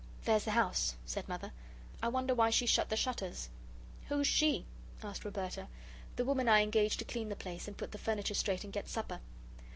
"There's the house," said Mother. "I wonder why she's shut the shutters." "Who's SHE?" asked Roberta. "The woman I engaged to clean the place, and put the furniture straight and get supper."